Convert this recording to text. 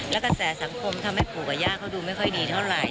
และกระแสสังคมทำให้ปู่กับย่าเขาดูไม่ค่อยดีเท่าไหร่